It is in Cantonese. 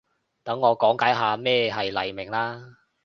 等我講解下咩係黎明啦